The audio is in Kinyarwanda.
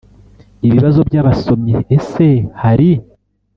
Ibibazo by abasomyi Ese hari